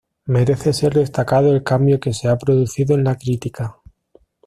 Merece ser destacado el cambio que se ha producido en la crítica.